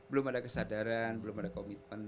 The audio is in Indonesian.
belum ada kesadaran belum ada komitmen